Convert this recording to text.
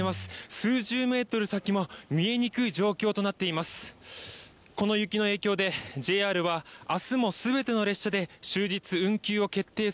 数十メートル先も見えにくい状況となっています。